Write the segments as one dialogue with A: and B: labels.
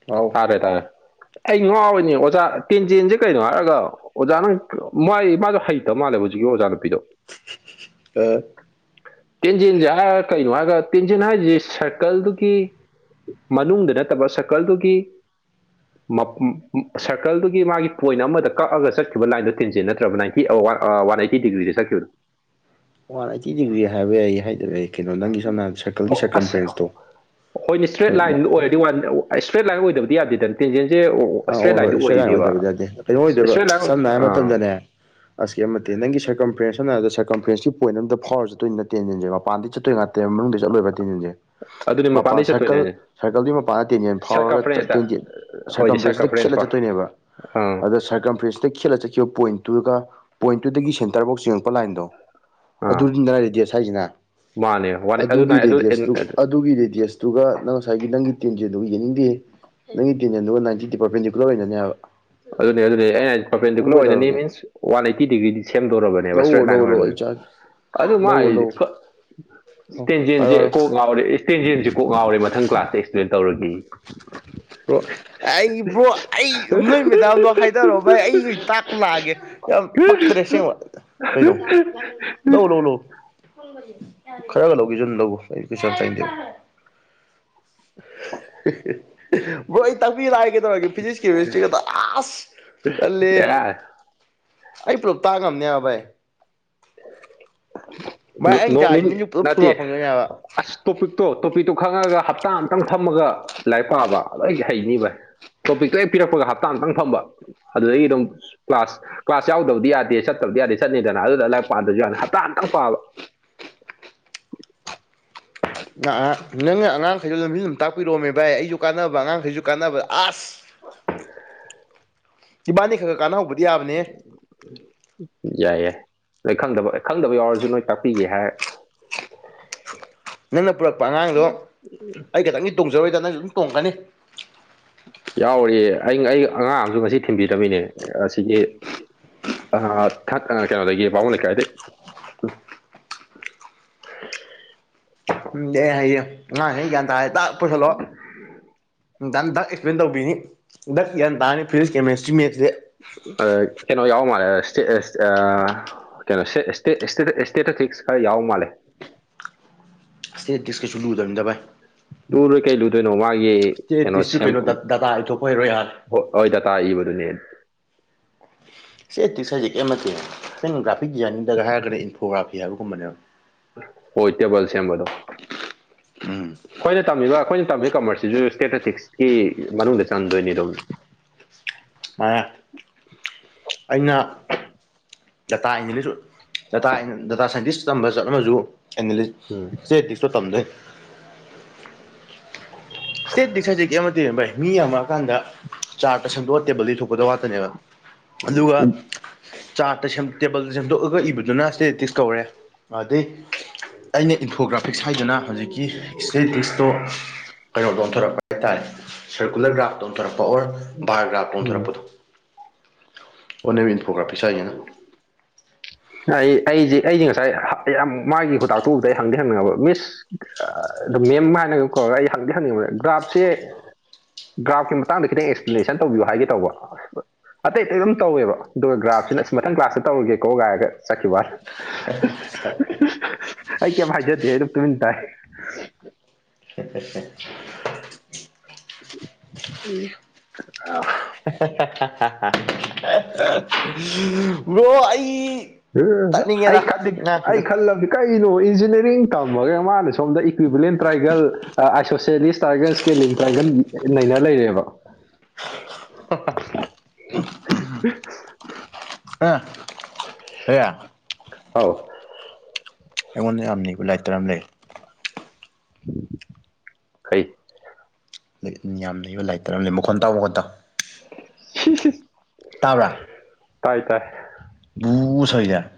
A: ꯑꯥꯎ
B: ꯀꯩꯇꯥꯔꯦ ꯑꯩ ꯉꯉꯥꯎꯣꯏꯅꯤ ꯑꯣꯖꯥ ꯄꯦꯟꯖꯦꯟꯁꯦ ꯀꯩꯅꯣ ꯍꯥꯏꯔꯒ ꯑꯣꯖꯥ ꯅꯪ ꯃꯥꯏ ꯃꯥꯗꯣ ꯍꯩꯇꯕ ꯃꯥꯜꯂꯦꯕ ꯍꯧꯖꯤꯛꯀꯤ ꯑꯣꯖꯥ ꯅꯨꯄꯤꯗꯣ
A: ꯑ
B: ꯇꯦꯟꯖꯤꯟꯁꯦ ꯀꯩꯅꯣ ꯍꯥꯏꯔꯒ ꯇꯦꯟꯖꯤꯟ ꯍꯥꯏꯔꯤꯁꯤ ꯁꯔꯀꯜꯗꯨꯒꯤ ꯃꯅꯨꯡꯗ ꯅꯠꯇꯕ ꯁꯀꯜꯗꯨꯒꯤ ꯁꯔꯀꯜꯗꯨꯒꯤ ꯃꯥꯒꯤ ꯄꯣꯏꯟ ꯑꯃꯗ ꯀꯛꯑꯒ ꯆꯠꯈꯤꯕ ꯂꯥꯏꯟꯗꯨ ꯇꯤꯟꯖꯦ ꯅꯠꯇ꯭ꯔꯕ ꯂꯥꯏꯟ ꯋꯥ ꯑꯩꯠꯇꯤ ꯗꯤꯒ꯭ꯔꯤꯗ ꯆ ꯀꯈꯤꯕꯌꯨ
A: ꯋꯥꯟ ꯑꯥꯏꯠꯇꯤ ꯗꯤꯒ꯭ꯔꯤ ꯍꯥꯏꯕ ꯌꯥ ꯑꯩ ꯍꯥꯏꯗꯕ ꯑꯩ ꯀꯩꯅꯣ ꯅꯪꯒꯤ ꯁꯣꯝꯅ ꯍꯥꯏ ꯁꯔꯀꯜꯒꯤ ꯁꯔꯀꯝ
B: ꯑꯁ
A: ꯐ꯭ꯔꯦꯟꯁꯇꯣ
B: ꯍꯣꯏꯅꯦ ꯏꯁꯇ꯭ꯔꯦꯠ
A: ꯍꯣꯏ
B: ꯂꯥꯏꯟ ꯑꯣꯏꯔꯗꯤ ꯋꯥꯟ ꯏꯁꯇ꯭ꯔꯦꯠ ꯂꯥꯏꯟ ꯑꯣꯏꯗꯕꯗꯤ ꯌꯗꯦꯗꯅ [unintelligible]
A: ꯑꯥ ꯍꯣꯏ ꯍꯣꯏ ꯏꯁꯇ꯭ꯔ ꯂꯥꯏꯟ ꯑꯣꯏꯗꯕ ꯌꯥꯗꯦ ꯀꯩꯅꯣ ꯑꯣꯏꯗꯕ
B: ꯏꯁꯇ꯭ꯔꯦꯠ ꯂꯥꯏꯟ
A: ꯁꯝꯅ ꯍꯥꯏ
B: ꯑꯥ
A: ꯃꯇꯝꯗꯅꯦ ꯑꯁꯤꯒꯤ ꯑꯃꯠꯇ ꯅꯪ ꯁꯔꯀꯝ ꯐ꯭ꯔꯦꯟꯁ ꯍꯥꯏꯅꯗ ꯁꯔꯀꯝ ꯐ꯭ꯔꯦꯟꯁꯀꯤ ꯄꯣꯏꯟ ꯑꯃꯗ ꯐꯥꯎꯔ ꯆꯠꯇꯣꯏ ꯅꯠꯇꯦꯟ ꯅꯦꯟꯁꯦ ꯃꯄꯥꯟꯗꯤ ꯆꯠꯇꯣꯏ ꯉꯥꯛ ꯇ ꯃꯅꯨꯡꯗ ꯆꯠꯂꯣꯏꯕ ꯇꯦꯟꯤꯟꯁꯦ
B: ꯑꯗꯨꯅꯦ
A: ꯃꯄꯥꯟ
B: ꯃꯄꯥꯟꯗꯩ ꯆꯠꯇꯣꯏꯅꯦ
A: ꯁꯔꯀꯜ
B: ꯍꯥꯏꯁꯦ
A: ꯁꯔꯀꯜꯗꯨ ꯃꯄꯥꯟꯗ ꯇꯦꯟꯖꯦꯜ ꯐꯥꯎꯔꯒ
B: ꯁꯔꯀꯐꯔꯦꯟꯁꯇ
A: ꯇꯦꯟꯖꯦꯜ
B: ꯍꯣꯏꯅꯦ ꯁꯔꯀꯐꯔꯦꯟꯁ
A: ꯦꯟꯦ
B: ꯐꯣꯔ
A: ꯆꯠꯇꯣꯏꯅꯦꯕ
B: ꯑꯪ
A: ꯑꯔ ꯀ꯭ꯔꯦꯟꯦꯠ ꯆꯈꯤꯕ ꯄꯣꯏꯟꯠꯇꯨꯒ ꯄꯣꯏꯟꯠꯇꯨꯗꯒꯤ ꯁꯦꯟꯇꯔꯐꯥꯎ ꯆꯡꯉꯛꯄ ꯂꯥꯏꯟꯗꯣ
B: ꯑꯥ
A: ꯑꯗꯨꯗꯨ ꯔꯦꯗꯤꯌꯁ ꯍꯥꯏꯁꯤꯅ
B: ꯃꯥꯅꯦ ꯋꯥꯟ ꯑꯗꯨꯅ
A: ꯑꯗꯨꯒꯤ
B: ꯑꯗꯨ
A: ꯔꯦꯗꯤꯌꯁꯇꯨ
B: ꯑꯦꯟ- ꯑꯗꯨ-
A: ꯑꯗꯨꯒꯤ ꯔꯦꯗꯤꯌꯁꯇ ꯑꯗꯨꯒ ꯅꯪ ꯉꯁꯥꯏꯒꯤ ꯅꯪꯒꯤ ꯇꯦꯟꯁꯦꯗꯨ ꯌꯦꯅꯤꯡꯗꯦ ꯅꯪꯒꯤ ꯇꯦꯟꯗꯨ ꯟ ꯗꯤꯄꯥꯔꯠꯃꯦꯟꯗꯤ ꯄꯨꯂꯣꯏ ꯑꯣꯏꯅꯅꯅꯦ ꯍꯥꯏꯕ
B: ꯑꯗꯨꯅꯤ ꯑꯗꯨꯅꯤ ꯑꯩꯅ
A: ꯑꯗꯨꯝ
B: ꯄꯔꯄꯦꯟꯗꯤꯀꯨꯂꯔ ꯑꯣꯏꯅꯅꯤ
A: ꯀꯩꯗꯧꯔꯒꯦ
B: ꯃꯤꯟꯁ ꯋꯥꯟ ꯑꯩꯠꯇꯤ ꯗꯤꯒ꯭ꯔꯤꯗꯤ ꯁꯦꯝꯗꯣꯔꯔꯕꯅꯦꯕ
A: ꯂꯧꯋꯣ
B: ꯏꯁꯇ꯭ꯔꯦꯠ ꯂꯥꯏꯟ
A: ꯂꯧꯋꯣ ꯂꯧꯋꯣ ꯑꯩ
B: ꯑꯣꯏꯔꯕꯅꯦꯕ
A: ꯆꯥꯒꯦ
B: ꯑꯗꯨ
A: ꯂꯧꯋꯣ
B: ꯃꯥꯗꯤ
A: ꯂꯧꯋꯣ ꯍꯥꯏꯔꯣ
B: ꯏꯁꯇꯦꯟꯖꯦꯟꯁꯦ
A: ꯍꯥꯏꯔꯣ
B: ꯀꯣꯛ ꯉꯥꯎꯔꯦ ꯏꯁꯇꯦꯟꯖꯦꯟꯁꯦ ꯀꯣꯛ ꯉꯥꯎꯔꯦ ꯃꯊꯪ ꯀ꯭ꯂꯥꯁꯇ ꯑꯦꯛꯁꯄ꯭ꯂꯦꯟ ꯇꯧꯔꯒ
A: ꯣ ꯑꯩꯕ꯭ꯔꯣ ꯑꯩ ꯅꯣꯏ ꯃꯗꯥꯝꯗꯣ ꯍꯥꯏꯗꯔꯑꯣ ꯚꯥꯏ ꯑꯩꯁꯨ ꯇꯥꯛꯄ ꯂꯥꯛꯑꯒꯦ ꯌꯥꯝ ꯄꯛꯇ꯭ꯔꯦ ꯁꯦꯡꯕ ꯀꯩꯗꯣ ꯂꯧ ꯂ ꯂ ꯈꯔꯒ ꯂꯧꯒꯦꯁꯨ ꯂꯧꯎ ꯑꯩ ꯀꯩꯗꯦ [unintelligible] ꯕ꯭ꯔꯣ ꯑꯩ ꯇꯥꯛꯄꯤꯔꯏ ꯀꯩꯗꯧꯔꯒꯦ ꯐꯤꯖꯤꯛꯁ ꯀꯦꯃꯤꯁꯇ꯭ꯔꯤꯒꯗ ꯑꯥꯁ ꯆꯠꯂ ꯑꯩ ꯄꯨꯂꯞ ꯇꯥ ꯉꯝꯅꯦꯕ ꯚꯥꯏ ꯚꯥꯏ ꯑꯩꯅ
B: ꯅꯣꯅꯤ
A: ꯇꯥꯔꯗꯤ ꯅꯪꯁꯨ ꯄꯨꯂꯞ ꯐꯨꯜ
B: ꯅꯥꯇ
A: ꯐꯪꯗꯣꯏꯅꯦꯕ
B: ꯑꯁ ꯇꯣꯄꯤꯛꯇꯣ ꯇꯣꯄꯤꯛꯇꯣ ꯈꯪꯉꯒ ꯍꯞꯇꯥ ꯑꯝꯇꯪ ꯐꯝꯃꯒ ꯂꯥꯏꯔꯤꯛ ꯄꯥꯕ ꯂꯣꯏ ꯍꯩꯅꯤꯕ ꯇꯣꯄꯤꯛꯇꯣ ꯍꯦꯛ ꯄꯤꯔꯛꯄꯒ ꯍꯞꯇꯥ ꯑꯃꯨꯇꯪ ꯐꯝꯕ ꯑꯗꯨꯗꯒꯤ ꯑꯗꯨꯝ ꯀ꯭ꯂꯥꯁ ꯀ꯭ꯂꯥꯁ ꯌꯥꯎꯗꯕꯗꯤ ꯌꯥꯗꯦ ꯁꯠꯇꯕꯗꯤ ꯌꯥꯗꯦ ꯆꯠꯅꯤꯗꯅ ꯑꯗꯨꯗ ꯂꯥꯏꯔꯤꯛ ꯄꯥꯗꯁꯨ ꯌꯥꯅꯤ ꯍꯞꯇꯥꯇꯪ ꯄꯥꯕ
A: ꯅꯪꯅ ꯑꯉꯥꯡꯈꯩꯁꯨ ꯂꯝꯕꯤ ꯑꯗꯨꯝ ꯇꯥꯛꯄꯤꯔꯛꯑꯣꯃꯦ ꯚꯥꯏ ꯑꯩꯁꯨ ꯀꯥꯟꯅꯕ ꯑꯉꯥꯡꯈꯩꯁꯨ ꯀꯥꯟꯅꯕ ꯑꯁ ꯏꯕꯥꯅꯤ ꯈꯛꯒ ꯀꯥꯟꯅꯍꯧꯕꯗꯤ ꯌꯥꯕꯅꯦ
B: ꯎ ꯌꯥꯏ ꯌꯥꯏ ꯅꯣꯏ ꯈꯪꯗꯕ ꯈꯪꯗꯕ ꯌꯥꯎꯔꯁꯨ ꯅꯣꯏ ꯇꯥꯛꯄꯤꯒꯦ ꯍꯥꯏ
A: ꯅꯪꯅ ꯄꯨꯔꯛꯄ ꯑꯉꯥꯡꯗꯣ ꯑꯩ ꯈꯤꯇꯪꯗꯤ ꯇꯣꯡꯖꯔꯣꯏꯗ ꯅꯪꯁꯨ ꯑꯗꯨꯝ ꯇꯣꯡꯉꯛꯀꯅꯤ
B: ꯌꯥꯎꯔꯤꯌꯦ ꯑꯩ ꯑꯩ ꯑꯉꯥꯡ ꯑꯃꯁꯁꯨ ꯉꯁꯤ ꯊꯤꯟꯕꯤꯗꯃꯤꯅꯦ ꯑꯁꯤꯒꯤ ꯊ ꯀꯩꯅꯣꯗꯒꯤ ꯥꯕꯨꯡ ꯂꯩꯀꯥꯏꯗꯩ
A: ꯎꯝ ꯑꯦ ꯍꯌꯦ ꯉꯍꯥ ꯍꯥꯏꯅ ꯒ꯭ꯌꯥꯟ ꯇꯥꯔꯦ ꯇ ꯄꯨꯁꯤꯜꯂꯣ ꯅꯨꯡ ꯗꯙꯛ ꯑꯦꯛꯁꯄ꯭ꯂꯦꯟ ꯇꯧꯕꯤꯅꯤ ꯗꯛ ꯒꯌꯥꯟ ꯇꯥꯅꯤ ꯐꯤꯖꯤꯛꯁ ꯀꯦꯃꯦꯁꯇ꯭ꯔꯤ ꯃꯦꯠꯁꯦ
B: ꯀꯩꯅꯣ ꯌꯥꯎ ꯃꯥꯜꯂꯦ ꯀꯩꯅꯣ ꯁꯦ ꯏꯁꯇꯦꯇꯠ ꯏꯁꯇꯦꯇ ꯐꯤꯛꯁ ꯈꯔ ꯌꯥꯎ ꯃꯥꯜꯂꯦ
A: ꯁ꯭ꯇꯦꯠꯇꯗꯤꯁꯀꯩꯁꯨ ꯂꯨꯗꯕꯅꯤ ꯚꯏ
B: ꯂꯨ ꯂꯣꯏ ꯀꯩ ꯂꯨꯗꯣꯏꯅꯣ ꯃꯥꯒꯤ ꯀꯩꯅꯣ
A: ꯁ꯭ꯇꯦꯇꯤꯛꯁꯇꯨ
B: ꯁꯦꯝ
A: ꯗꯇꯥ ꯏꯊꯣꯛꯄ ꯍꯩꯔꯣ ꯌꯥꯔꯦ
B: ꯍꯣꯏ ꯍꯣꯏ ꯇꯇꯥ ꯏꯕꯗꯨꯅꯦ
A: ꯁꯤꯇꯤꯛꯁꯦꯖꯤꯦꯛ ꯑꯃꯠꯇꯦ ꯁꯪ ꯒ꯭ꯔꯥꯐꯤꯛ ꯗꯤꯖꯥꯏꯅꯤꯡꯗꯒ ꯍꯥꯏꯔꯒꯗꯤ ꯏꯟꯐꯣꯒ꯭ꯔꯥꯐꯤ ꯍꯥꯏꯕꯒꯨꯝꯕꯅꯦꯕ
B: ꯍ ꯏꯇꯦ ꯄꯜꯁꯦꯝꯕꯗꯣ
A: ꯑꯝ
B: ꯑꯩꯈꯣꯏꯅ ꯇꯝꯃꯤꯕ ꯑꯩꯈꯣꯏꯅ ꯇꯝꯃꯤ ꯀꯃꯔꯁꯁꯤꯁꯨ ꯁ꯭ꯇꯦꯇꯇꯤꯛꯁꯀꯤ ꯃꯅꯨꯡꯗ ꯆꯟꯗꯣꯏꯅꯤꯗꯣ
A: ꯁꯨꯃꯥꯏ ꯑꯩꯅ ꯗꯇꯥ ꯑꯦꯅꯥꯂꯤꯁ ꯗꯇꯥ ꯗꯗꯥꯇꯥ ꯁꯥꯏꯟꯇꯤꯁ ꯇꯝꯕ ꯆꯠꯂꯝꯃꯁꯨ ꯑꯦꯂꯤꯁ
B: ꯎꯝ
A: ꯁꯤꯦꯗꯤꯛꯁꯨ ꯇꯝꯖꯩ ꯏꯁ꯭ꯇꯦꯠ ꯁꯖꯦꯀꯤ ꯑꯃꯠꯇ ꯚꯥꯏ ꯃꯤ ꯌꯥꯝꯃꯛꯑꯀꯥꯟꯗ ꯆꯥꯔꯇ ꯁꯦꯡꯗꯣꯛꯑ ꯇꯦꯕꯜꯗ ꯊꯣꯛꯄꯗ ꯋꯥꯠꯇꯅꯦꯕ ꯑꯗꯨꯒ ꯆꯥꯠꯇ ꯇꯦꯕꯜꯗ ꯁꯦꯝꯗꯣꯛꯑꯒ ꯏꯕꯗꯨꯅ ꯁꯇꯦꯛꯇꯤꯁ ꯀꯧꯔꯦ ꯑꯗꯩ ꯑꯩꯅ ꯏꯟꯊꯣꯒ꯭ꯔꯥꯐꯤꯛꯁ ꯍꯥꯏꯗꯅ ꯍꯧꯖꯤꯛꯀꯤ ꯏꯁꯇꯦꯇꯤꯛꯁꯇꯣ
B: [inaudible]
A: ꯀꯩꯅꯣꯗ ꯑꯣꯟꯊꯣꯔꯛꯄ ꯍꯥꯏꯇꯥꯔꯦ ꯁꯔꯀꯨꯂꯔ ꯒ꯭ꯔꯥꯐꯇ ꯑꯣꯟꯊꯣꯔꯛꯄ ꯑꯣꯔ ꯕꯥꯔ ꯒ꯭ꯔꯥꯐꯇ
B: ꯎꯝ
A: ꯑꯣꯟꯊꯣꯔꯛꯄꯗꯣ ꯑꯣꯟꯅꯕꯤ ꯏꯟꯐꯣꯒ꯭ꯔꯥꯐꯤꯁꯥꯏꯅ
B: ꯑꯩ ꯑꯩꯁꯦ ꯑꯩꯁꯦ ꯉꯁꯥꯏ ꯌꯥꯝ ꯃꯥꯒꯤ ꯍꯗꯥꯛꯇꯨ ꯎꯕꯗ ꯑꯩ ꯍꯪꯗꯤꯦ ꯍꯪꯅꯤꯡꯉꯕ ꯃꯤꯁ ꯑꯗꯨꯝ ꯃꯦꯝ ꯍꯥꯏꯅꯒ ꯀꯧꯔꯒ ꯑꯩ ꯍꯪꯗꯤꯦ ꯍꯪꯅꯤꯡꯕꯗ ꯗ꯭ꯔꯥꯐꯁꯦ ꯒ꯭ꯔꯥꯐꯀꯤ ꯃꯇꯥꯡ ꯇꯪ ꯑꯦꯛꯁꯄ꯭ꯂꯦꯅꯦꯁꯟ ꯇꯤꯌ ꯍꯥꯏꯒꯦ ꯇꯧꯕ ꯑꯇꯩ ꯑꯇꯩ ꯑꯗꯨꯝ ꯇꯧꯋꯦꯕ ꯑꯗꯨꯒ ꯒ꯭ꯔꯥꯐꯁꯤꯅ ꯑꯁ ꯃꯊꯪ ꯀ꯭ꯂꯥꯁꯇ ꯇꯧꯔꯒꯦꯀꯣ ꯥꯏꯔꯒ ꯆꯠꯈꯤꯕꯅꯤ
A: [inaudible]
B: ꯑꯩ ꯀꯩꯝ ꯍꯥꯏꯖꯗꯦ ꯑꯩ ꯑꯗꯨꯝ ꯇꯨꯃꯤꯟ ꯇꯥꯏ
A: ꯊꯦꯁꯦ
B: ꯎꯝ
A: ꯔ꯭ꯔꯣ ꯑꯩ
B: ꯎ ꯑꯩ
A: ꯇꯠꯅꯤꯡꯉꯦꯗ
B: ꯈꯗꯤ
A: ꯅꯪ
B: ꯑꯩ
A: ꯉꯥꯡꯉꯤꯗꯣ
B: ꯈ ꯜ ꯀꯩꯅꯣ ꯏꯟꯖꯤꯅꯤꯌꯥꯔꯤꯡ ꯇꯝꯃꯒ ꯃꯥꯅ ꯁꯣꯝꯗ ꯏꯀ꯭ꯋꯤꯕꯂꯦꯟ ꯇ꯭ꯔꯥꯏꯒꯦꯜ ꯑꯥꯏꯁꯣꯁꯦꯂꯤꯁ ꯇꯥꯏꯒꯔꯁ ꯀꯦꯂꯤꯝ ꯇ꯭ꯔꯥꯏꯒꯟ ꯅꯩꯅꯔ ꯂꯩꯔꯦꯕ [inaudible]
A: ꯑ ꯍꯌꯥ
B: ꯍꯥꯎ
A: ꯑꯩꯉꯣꯟꯗ ꯌꯥꯝ ꯕ ꯂꯥꯏꯇꯔ ꯑꯃ ꯂꯩ
B: ꯀꯩ
A: ꯌꯥꯝ ꯂꯩꯕ ꯂꯥꯏꯔꯤ ꯇꯔꯝ ꯂꯩ ꯃꯈꯣꯟ ꯇꯥꯎꯕꯒ ꯇ
B: [inaudible]
A: ꯇꯥꯕꯔꯥ
B: ꯇꯥꯏ ꯇꯥꯏ
A: ꯕꯨ ꯁꯣꯏꯗ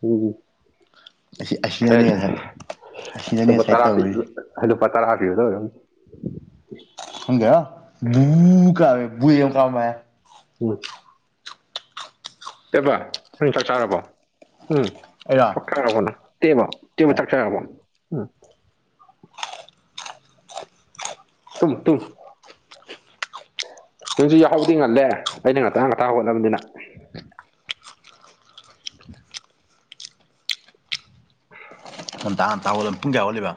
B: ꯎꯝ [unintelligible]
A: ꯑꯁꯤꯅꯅꯦ
B: ꯇꯔ
A: ꯉꯁꯥꯏ ꯑꯁꯤꯅꯅꯦ ꯉꯁꯥꯏ ꯇꯧꯔꯤꯁꯦ
B: ꯑꯗꯨꯜꯣ ꯄ ꯇꯔ ꯍꯥꯞꯄꯤꯌꯗꯣꯔ
A: ꯈꯪꯗꯦ [unintelligible]
B: [unintelligible] ꯆꯕ ꯅꯪ ꯆꯥꯛ ꯆꯥꯔꯕꯣ ꯎꯝ
A: ꯑꯩꯔꯣ
B: ꯆꯥꯛ ꯆꯥꯔꯕꯣꯅ ꯇꯦꯕꯣ ꯇꯦꯝꯕ ꯆꯥꯛꯆꯔꯕꯣ ꯎꯝ ꯇꯨꯝꯃꯨ ꯇꯨꯝꯃꯨ ꯅꯪꯁꯨ ꯌꯥꯍꯧꯗꯤ ꯉꯜꯂꯦ ꯑꯩꯅ ꯉꯥꯛꯇꯥ ꯉꯥꯛꯇꯥ ꯍꯣꯠꯅꯕꯅꯤꯅ
A: ꯉꯟꯇꯥ ꯉꯟꯇꯥ ꯍꯧꯒꯠꯂꯃꯤ ꯄꯨꯡ ꯀꯌꯥ ꯍꯧꯒꯠꯂꯤꯕ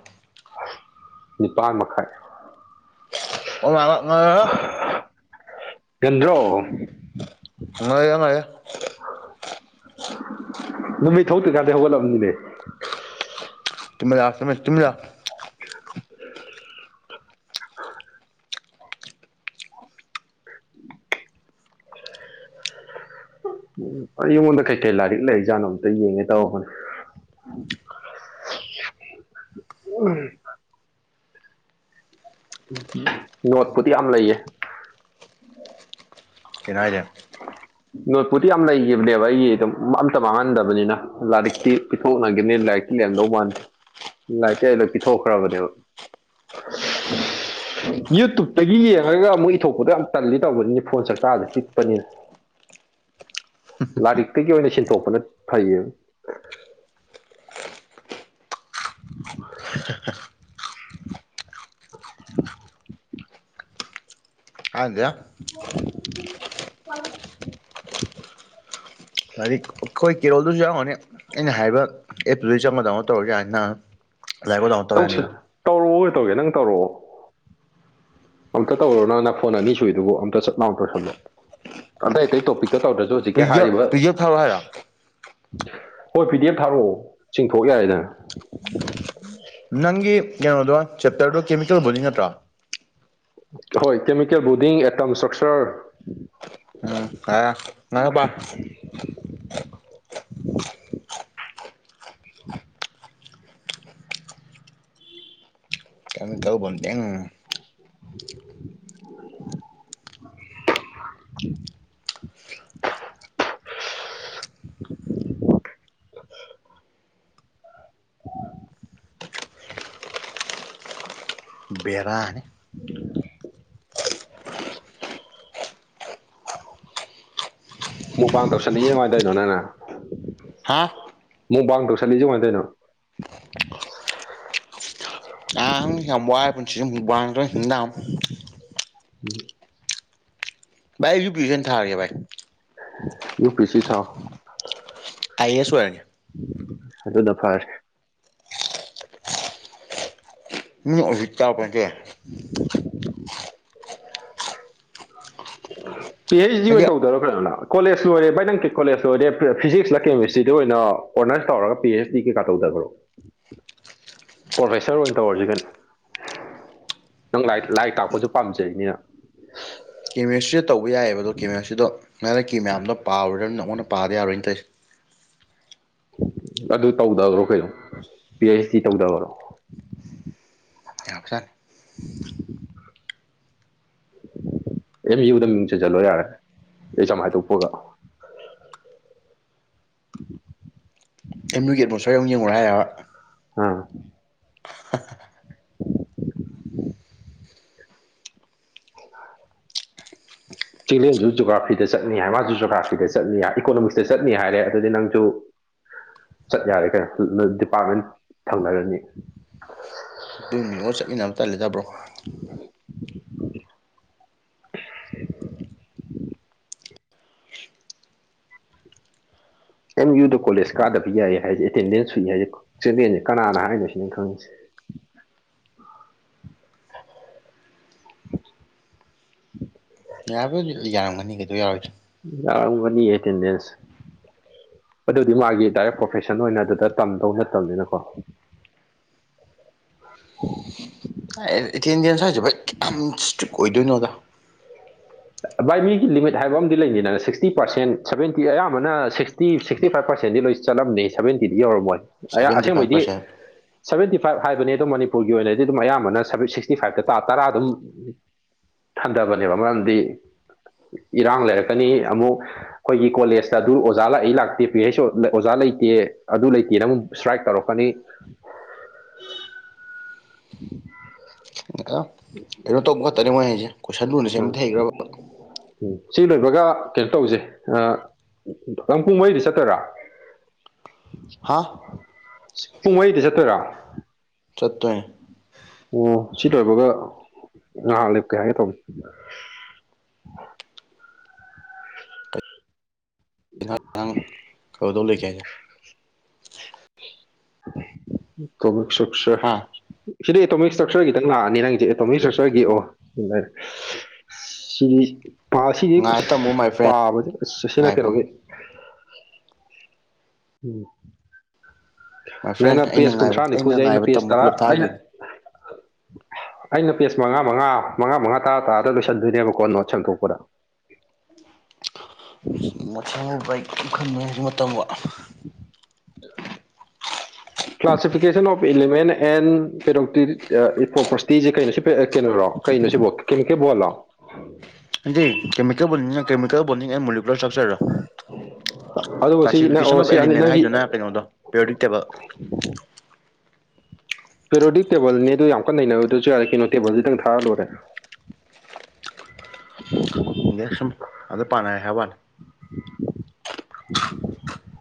B: ꯅꯤꯄꯥꯥꯟ ꯃꯈꯥꯏ
A: [unintelligible]
B: ꯉꯟꯗ꯭ꯔꯣ
A: ꯍꯂꯧ [unintelligible]
B: ꯅꯨꯃꯤꯠ ꯊꯧꯛꯇꯔꯤꯀꯥꯟꯗ ꯍꯧꯒꯠꯂꯝꯕꯅꯤꯅꯦ
A: [unintelligible]
B: ꯎꯝ ꯑꯩꯉꯣꯟꯗ ꯀꯩꯀꯩ ꯂꯥꯏꯔꯤꯛ ꯂꯩ ꯖꯥꯠꯣ ꯑ ꯑꯃꯝꯇ ꯌꯦꯡꯉꯦ ꯇꯧꯔꯕꯅꯦ ꯎꯝ ꯅꯣꯠꯄꯨꯗꯤ ꯌꯥꯝ ꯂꯩꯌꯦ
A: ꯀꯩꯅꯣ ꯍꯥꯏꯖꯦ
B: ꯅꯣꯠꯄꯨꯗꯤ ꯌꯥꯝ ꯂꯩꯈꯤꯕꯅꯦꯕ ꯑꯩꯒꯤ ꯑꯗꯨꯝ ꯑꯝꯇ ꯃꯥꯡꯍꯟꯗꯕꯅꯤꯅ ꯂꯥꯏꯔꯤꯛꯇꯤ ꯄꯤꯊꯣꯛꯅꯈꯤꯅꯤ ꯂꯥꯏꯔꯤꯛꯇ ꯂꯦꯝꯗꯧ ꯃꯥꯟꯗꯦ ꯂꯥꯏꯔꯤ ꯀꯩꯗ ꯄꯤꯊꯣꯛꯈ꯭ꯔꯕꯅꯦꯕ ꯌꯨꯇꯨꯞꯇꯒꯤ ꯌꯦꯡꯉꯒ ꯑꯃꯨꯛ ꯏꯊꯣꯛꯄꯗꯣ ꯌꯥꯝ ꯇꯜꯂꯤ ꯇꯧꯕꯅꯤꯅ ꯐꯣꯟ ꯆꯔꯇꯥꯥꯔꯗꯤꯦ ꯄꯤꯛꯄꯅꯤꯅ ꯂꯥꯏꯔꯤꯛꯇꯒꯤ ꯑꯣꯏꯅ ꯁꯤꯟꯊꯣꯛꯄꯅ ꯐꯩꯌꯦ [inaudible]
A: [unintelligible]
B: [inaudible]
A: ꯍꯥꯏꯗꯤ ꯑꯩꯈꯣꯏ ꯀꯦꯔꯣꯜꯗꯨꯁꯨ ꯌꯥꯎꯔꯅꯤ ꯑꯩꯅ ꯍꯥꯏꯔꯤꯕ ꯑꯦꯞꯇꯨꯗꯩ ꯆ ꯃꯗꯧꯅ ꯇꯧꯔꯁꯨ ꯌꯥ ꯅꯍꯥꯟ
B: ꯀꯧꯁ ꯇꯧꯔꯛꯑꯣ ꯇꯧꯒꯦ ꯅꯪ ꯇꯧꯔꯛꯑꯣ ꯑꯝꯇ ꯇꯧꯔꯣ ꯅꯪ ꯅꯅ ꯐꯣꯟ ꯑꯅꯤ ꯁꯨꯏꯗꯨꯕꯨ ꯑꯝꯇ ꯆꯠ ꯂꯥꯎ ꯇꯣꯏꯁꯜꯂꯣ ꯑꯇꯩ ꯑꯇꯩ ꯇꯣꯄꯤꯛ ꯇ ꯇꯧꯗ꯭ꯔꯁꯨ ꯍꯧꯖꯤꯛꯀꯤ
A: ꯄꯤꯗꯤ
B: ꯍꯥꯏꯔꯤꯕ
A: ꯑꯦꯐ ꯄꯤꯗꯤ ꯑꯦꯐ ꯊꯥꯔꯛꯑꯣ ꯍꯥꯏꯔꯣ
B: ꯍꯣꯏ ꯐꯤꯗꯤ ꯑꯦꯐ ꯊꯥꯔꯛꯑꯣ ꯆꯤꯡꯊꯣꯛ ꯌꯥꯔꯦꯗ
A: ꯅꯪꯒꯤ ꯀꯩꯅꯣꯗꯣ ꯆꯦꯞꯇꯔꯗꯣ ꯀꯦꯃꯤꯀꯦꯜꯕꯨꯗꯤ ꯅꯠꯇ꯭ꯔꯣ
B: ꯍꯣꯏ ꯀꯦꯃꯤꯀꯦꯜ ꯕꯨꯗꯤꯡ ꯑꯦꯇꯝ ꯏꯁꯇ꯭ꯔꯛꯆꯔ
A: [unintelligible] [unintelligible]
B: [inaudible] [inaudible] [inaudible] [inaudible]
A: ꯕꯔꯥꯅꯤ
B: [inaudible] ꯃꯨꯛꯄꯥꯡ ꯇꯧꯁꯟꯅꯤꯡꯉꯤ ꯀꯃꯥꯏꯅꯗꯧꯅꯣ ꯅꯪꯅ
A: ꯍꯥꯥ
B: ꯃꯛ ꯄꯥꯡ ꯇꯧꯁꯠꯛꯁꯤ ꯀꯃꯥꯏꯅꯩꯅꯣ
A: ꯑꯪ ꯌꯥꯝ ꯋꯥꯏ ꯄꯨꯟꯁꯤꯁꯦ ꯃꯨꯛꯕꯥꯛ ꯇꯧꯔꯤ ꯍꯤꯡ ꯇꯥꯃꯤ
B: ꯎꯝ
A: ꯚꯥꯏ ꯑꯩꯁꯨ ꯄꯤꯨꯖꯟ ꯊꯥꯔꯒꯦꯚꯥꯏ
B: ꯌꯨ ꯄꯤꯁꯤ ꯊꯥꯎ
A: ꯑꯥꯏ ꯑꯦ ꯑꯦꯁ ꯑꯣꯏꯔꯒꯦ
B: ꯑꯗꯨꯅ ꯐꯔ‌ꯦ
A: ꯃꯤ ꯍꯧꯖꯤꯛ ꯆꯥ [unintelligible]
B: [inaudible] ꯄꯤ ꯍꯩꯆ ꯗꯤ
A: ꯍꯥꯏꯗꯤ
B: ꯑꯣꯏꯅ ꯇꯧꯗꯔ‌ꯣ ꯀꯣꯂꯦꯖ ꯂꯣꯏꯔꯦ ꯚꯥꯏ ꯅꯪ ꯀꯣꯂꯦꯖ ꯂꯣꯏꯔꯦ ꯐꯤꯖꯤꯛꯁꯂ ꯀꯦꯃꯤꯁꯇ꯭ꯔꯤꯗ ꯑꯣꯏꯅ ꯑꯣꯅꯔꯁ ꯇꯧꯔꯒ ꯄꯤ ꯑꯩꯆ ꯗꯤ ꯀꯩꯀꯥ ꯇꯧꯊꯈꯔꯣ ꯄ꯭ꯔꯣꯐꯦꯁꯔ ꯑꯣꯏꯅ ꯇꯧꯔꯁꯤ ꯀꯩꯅ ꯅꯪ ꯂꯥꯏꯛ ꯂꯥꯏꯔꯤꯛ ꯇꯥꯛꯄꯁꯨ ꯄꯥꯝꯖꯩꯅꯤꯅ
A: ꯀꯦꯃꯦꯁꯇ꯭ꯔꯤꯗ ꯇꯧꯕ ꯌꯥꯏꯌꯦꯕ ꯑꯗ‌ꯣ ꯀ‌ꯦꯃꯦꯁꯇꯔꯤꯗꯣ ꯃꯔꯛꯀꯤ ꯃꯌꯥꯝꯗꯣ ꯄꯥꯎꯔꯨ ꯑꯃꯨꯛ ꯍꯟꯅ ꯄꯥꯗ ꯌꯥꯔꯣꯏꯅ‌ꯦ ꯇꯧꯏꯁꯦ
B: ꯑꯗꯨ ꯇꯧꯗꯈ꯭ꯔꯣ ꯀꯩꯅꯣ ꯄꯤ ꯑꯩꯆ ꯗꯤ ꯇꯧꯗꯈ꯭ꯔꯣ
A: ꯌꯥꯕꯖꯥꯠꯅꯤ
B: [unintelligible] ꯑꯦꯝ ꯌꯨꯗ ꯃꯤꯡ ꯆꯟꯖꯜꯂꯣ ꯌꯥꯔꯦ ꯑꯦꯛꯖꯥꯝ ꯍꯥꯏꯗꯣꯛꯄꯒ [unintelligible]
A: ꯑꯦꯝ ꯌꯨꯒꯤ ꯑꯦꯠꯃ‌ꯣꯁꯐꯤꯌꯥꯔ ꯑꯃꯨꯛ ꯌꯦꯡꯉꯨꯔ‌ꯣ ꯍꯥꯏꯔꯕ
B: ꯑꯥ [unintelligible] ꯆꯤꯡꯂ‌ꯦꯟꯁꯨ ꯖ‌ꯣꯒ꯭ꯔꯥꯐꯤꯗ ꯆꯠꯅꯤ ꯍꯥꯏ ꯃꯥꯁꯨ ꯖꯣꯒ꯭ꯔꯥꯐꯤꯗ ꯆꯠꯅꯤ ꯏꯀꯣꯅꯣꯃꯤꯛꯁꯇ ꯆꯠꯅꯤ ꯍꯥꯏꯔꯦ ꯑꯗꯨꯗꯤ ꯅꯪꯁꯨ ꯆꯠ ꯌꯥꯔꯦ ꯀꯩꯅꯣ ꯅ ꯗꯤꯄꯥꯔꯠꯃꯦꯟ ꯊꯪꯅꯔꯅꯤ
A: ꯔ‌ꯣꯃꯤꯌ‌ꯣ ꯆꯠꯃꯤꯟꯅꯕ ꯇꯜꯂꯤꯗ ꯕ꯭ꯔꯣ
B: [unintelligible] ꯑꯦꯝ ꯌꯨꯗ ꯀꯣꯂꯦꯖ ꯀꯥꯗꯕ ꯌꯥꯏ ꯍꯥꯏꯁꯦ ꯑꯦꯇꯦꯟꯗꯦꯟꯁ ꯁꯨꯏ ꯍꯥꯏꯁꯦ ꯆꯦꯂꯦꯟꯁꯦ ꯀꯅꯥꯅ ꯍꯥꯏꯅꯣ ꯁꯤꯅ‌ꯦ ꯑꯩ ꯈꯪꯉꯤꯁꯦ
A: ꯌꯥꯕꯨꯗꯤ ꯌꯥꯔꯝꯒꯅꯤ ꯀꯩꯗꯧ ꯌꯥꯔꯣꯏꯗꯔꯤ
B: ꯌꯥꯔꯝꯒꯅꯤ ꯑꯦꯇꯦꯟꯗꯦꯟꯁ ꯑꯗꯨꯗꯤ ꯃꯥꯒꯤ ꯗꯥꯏꯔꯦꯛ ꯄ꯭ꯔꯣꯐꯦꯁꯟ ꯑꯣꯏꯅ ꯑꯗꯨꯗ ꯇꯝꯗꯧ ꯅꯠꯇꯕꯅꯤꯅꯀꯣ [unintelligible]
A: ꯏ ꯑ‌ꯦꯇ‌ꯦꯟꯗ‌ꯦꯟꯁ ꯍꯥꯏꯖꯤ ꯚꯥꯏ ꯀꯌꯥꯝ ꯏꯁꯇ꯭ꯔꯤꯛ ꯑꯣꯏꯗꯣꯏꯅꯣꯗ
B: ꯚꯥꯏ ꯃꯤꯒꯤ ꯂꯤꯃꯤꯠ ꯍꯥꯏꯕ ꯑꯃꯗꯤ ꯂꯩꯅꯤꯗꯅ ꯁꯤꯛꯁꯇꯤ ꯄꯥꯔꯁꯦꯟ ꯁꯕꯦꯟꯇꯤ ꯑꯌꯥꯝꯕꯅ ꯁꯤꯛꯁ ꯇꯤ ꯁꯤꯛꯁꯇꯤ ꯐꯥꯏꯚ ꯄꯥꯔꯁꯦꯟꯗꯤ ꯂꯣꯏ ꯆꯠꯂꯝꯅꯤ ꯁꯕꯦꯟꯇꯤꯗꯤ ꯌꯧꯔꯝꯃꯣꯏ ꯑꯌꯥ
A: ꯁꯚꯦꯟꯇꯤ ꯐꯥꯏꯚ
B: ꯑꯁꯦꯡꯕꯩꯗꯤ
A: ꯄꯥꯔꯁꯦꯟ
B: ꯁꯕꯦꯟꯇꯤ ꯐꯥꯏꯚ ꯍꯥꯏꯕꯅꯤ ꯑꯗ‌ꯣ ꯃꯅꯤꯄꯨꯔꯒꯤ ꯑꯣꯏꯅꯗꯤ ꯑꯗꯨꯝ ꯑꯌꯥꯝꯕꯅ ꯁꯁꯤꯛꯁꯇꯤ ꯐꯥꯏꯚꯇ ꯇꯥ ꯇꯔꯥ ꯗꯨ ꯍꯟꯊꯕꯅꯦꯕ ꯃꯔꯝꯗꯤ ꯏꯔꯥꯡ ꯂꯩꯔꯛꯀꯅꯤ ꯑꯃꯨꯛ ꯑꯩꯈꯣꯏꯒꯤ ꯀꯣꯂꯦꯖꯇ ꯑꯗꯨ ꯑꯣꯖꯥ ꯂꯥꯛꯏ ꯂꯥꯛꯇꯦ ꯄꯤ ꯍꯩꯁ ꯑꯣꯖꯥ ꯂꯩꯇꯦ ꯑꯗꯨ ꯂꯩꯇꯦꯅ ꯑꯃꯨꯛ ꯏꯁꯇ꯭ꯔꯥꯏꯛ ꯇꯧꯔꯛꯀꯅꯤ [unintelligible]
A: ꯀꯩꯅ‌ꯣ ꯇꯧꯕ ꯈꯛꯇꯅ‌ꯦ ꯃꯣꯏ ꯍꯩꯖꯦ
B: ꯎꯝ ꯎꯝ ꯁꯤ ꯂꯣꯏꯕꯒ ꯀꯩꯅꯣ ꯇꯧꯁꯦ ꯑꯥ ꯅꯪ ꯄꯨꯡ ꯃꯔꯤꯗ ꯆꯠꯇ‌ꯣꯏꯔꯥ
A: ꯍꯥ
B: ꯄꯨꯡ ꯃꯔꯤꯗ ꯆꯠꯇꯣꯏꯔꯥ
A: ꯆꯠꯇ‌ꯣꯏꯟ
B: ꯑꯣ ꯁꯤ ꯂ‌ꯣꯏꯕꯒ ꯉꯥꯏꯍꯥꯛ ꯂꯦꯞꯀꯦ ꯍꯥꯏꯒꯦ ꯇꯧꯕꯅꯤ
A: ꯅ [inaudible] ꯀꯗꯗꯧ ꯂꯩꯒꯦ ꯍꯥꯏꯁꯦ
B: [unintelligible] ꯑꯦꯇꯣꯃꯤꯛ ꯏꯁꯇ꯭ꯔꯛꯆꯔ
A: ꯍꯥ
B: ꯁꯤꯗ ꯑꯦꯇꯣꯃꯤꯛ ꯏꯁꯇ꯭ꯔꯛꯆꯔꯒꯤꯗꯪ ꯂꯥꯛꯑꯅꯤ ꯅꯪꯁꯦ ꯑꯦꯇꯣꯃꯤꯛ ꯏꯁꯇ꯭ꯔꯛꯆꯔꯒꯤ ꯑꯣ [unintelligible] ꯁꯤ ꯁꯤꯗꯤ
A: ꯉꯥꯏ
B: ꯑꯁ
A: ꯇꯝꯃꯨ ꯃꯥꯏ ꯐ꯭ꯔꯦꯟ
B: ꯄꯥꯕꯁ‌ꯦ ꯁꯤꯅ
A: ꯉꯥꯏ ꯇꯝꯃꯨ
B: ꯀꯩꯅꯣꯒꯤ ꯎꯝ
A: ꯃꯥꯏ ꯐ꯭ꯔꯦꯟ
B: ꯅꯪꯅ
A: ꯑꯩꯅ
B: ꯄꯦꯖ
A: ꯉꯥꯏꯕ
B: ꯀꯨꯟꯊ꯭ꯔꯥ ꯅꯤꯐꯨꯖ‌ꯦ ꯑꯩꯅ
A: ꯉꯥꯏꯕ
B: ꯄꯦꯖ
A: ꯇꯝꯃꯨ
B: ꯇꯔꯥ
A: ꯄꯨꯂꯞ
B: ꯑꯩꯅ
A: ꯊꯥꯈꯤꯕꯅꯤ
B: [unintelligible] ꯑꯩꯅ ꯄꯦꯖ ꯃꯉꯥ ꯃꯉꯥ ꯃꯉꯥ ꯃꯉꯥ ꯇꯔꯥ ꯇꯔꯥꯗ ꯂꯣꯏꯁꯤꯟꯗꯣꯏꯅꯦꯕꯀꯣ ꯅꯣꯠ ꯁ‌ꯦꯝꯗꯣꯛꯄꯗ
A: ꯃꯁꯪ ꯕꯥꯏꯛ [unintelligible] ꯃ ꯇꯝꯕ
B: [unintelligible] ꯀ꯭ꯂꯥꯁꯤꯐꯤꯀꯦꯁꯟ ꯑꯣꯐ ꯏꯂꯤꯃꯦꯟ ꯑꯦꯟ ꯄ꯭ꯔꯣꯄꯔꯁꯤꯇꯤꯁꯦ ꯀꯩꯅꯣꯁꯨ ꯀꯩꯅꯔꯣ ꯀꯩꯅꯣ ꯁꯤꯕꯣ ꯀꯦꯝ ꯀꯦꯕꯣꯜꯂꯣ
A: ꯍꯥꯏꯗꯤ ꯀꯦꯃꯤꯀꯣꯜ ꯕꯣꯟꯗꯥꯡꯅ ꯀꯦꯃꯤꯀꯣꯜ ꯕꯣꯟꯗꯥꯡꯅ ꯅꯦꯟ ꯃꯣꯀꯂꯔ ꯁ꯭ꯔꯛꯆꯔ
B: ꯑꯗꯨꯕꯨ ꯁꯤ ꯅꯪ
A: ꯀ꯭ꯂꯥꯁꯤꯐꯤꯀꯦꯁꯟ
B: ꯑꯣ
A: ꯑꯣꯐ
B: ꯁꯤ
A: ꯑꯦꯂꯤꯃꯦꯟ
B: ꯅꯪꯒꯤ
A: ꯍꯥꯏꯗꯨꯅ ꯀꯩꯅꯣꯗꯣ ꯄ꯭ꯌꯣꯗꯤꯛꯇꯦꯕꯜ
B: ꯄꯦꯔꯣꯗꯤꯛ ꯇꯦꯕꯜꯅꯤ ꯑꯗꯨ ꯌꯥꯝ ꯀꯟꯅ ꯅꯩꯅꯕꯗꯨꯁꯨ ꯌꯥꯔ ꯀꯩꯅꯣ ꯇꯦꯕꯜꯗꯤꯇꯪ ꯊꯥꯔ ꯂꯣꯏꯦ
A: ꯏꯦ ꯁꯨꯝ ꯑ ꯑꯗꯨꯗ ꯄꯥꯅ ꯍꯥꯏꯕꯅꯤ
B: [unintelligible]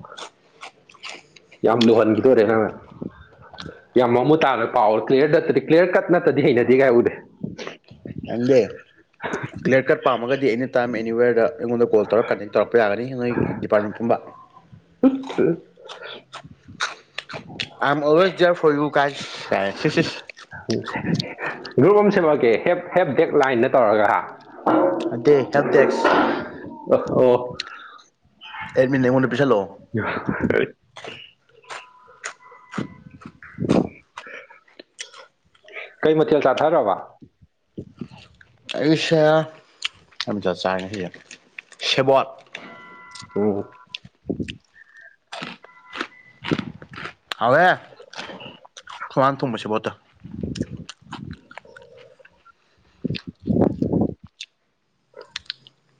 B: ꯌꯥꯝ ꯂꯨꯍꯟꯈꯤꯗꯣꯏꯔꯦ ꯅꯪꯅ ꯌꯥꯝ ꯃꯃꯨ ꯇꯥꯔꯣꯏ ꯄꯥꯎ ꯀ꯭ꯂꯤꯌꯥꯌꯔ ꯅꯠꯇꯗꯤ ꯀ꯭ꯂꯤꯌꯥꯔ ꯀꯠ ꯅꯠꯇꯗꯤ ꯍꯩꯅꯗꯤ ꯀꯥꯏ ꯎꯗꯦ
A: ꯍꯗ ꯀ꯭ꯂꯤꯌꯥꯔ ꯀꯠ ꯄꯥꯝꯃꯒꯗꯤ ꯑꯦꯅꯤ ꯇꯥꯏꯝ ꯑꯦꯅꯤꯋꯦꯔꯗ ꯑꯩꯉꯣꯟꯗ ꯀꯣꯜ ꯇꯧꯔꯒ ꯀꯟꯗꯦꯛ ꯇꯧꯔꯛꯄ ꯌꯥꯒꯅꯤ ꯅꯣꯏ ꯗꯤꯄꯥꯔꯠꯃꯦꯟ ꯄꯨꯝꯕ
B: [unintelligible]
A: [unintelligible]
B: [unintelligible] ꯒ꯭ꯔꯨꯞ ꯑꯃ ꯁꯦꯝꯃꯛꯀꯦ ꯍꯦꯞ ꯍꯦꯞ ꯗꯦꯛ ꯂꯥꯏꯟꯗ ꯇꯧꯔꯒ
A: ꯑꯗꯦ ꯌꯥꯝ ꯗꯁ
B: ꯑ ꯑꯣ
A: ꯑꯦꯗꯃꯤꯠ ꯅ ꯑꯩꯉꯣꯟꯗ ꯄꯤꯁꯜꯂꯣ
B: [unintelligible] ꯀꯩ ꯃꯆꯦꯜ ꯁꯥꯥ ꯊꯔꯣꯕ
A: ꯑꯩꯁꯦ ꯑꯃꯇ ꯆꯥꯉꯩꯁꯦ ꯁꯦꯕꯣꯠ
B: ꯑꯣ [unintelligible]
A: ꯍꯋꯦ ꯑꯩꯈꯣꯏꯃꯅ ꯊꯣꯡꯁꯕ ꯁꯦꯕꯣꯠꯇꯣ
B: [inaudible] [inaudible]